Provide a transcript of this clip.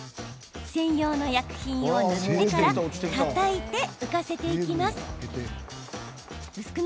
専用の薬品を塗ってからたたいて浮かせていきます。